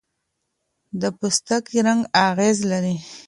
د پوستکي رنګ اغېز لري.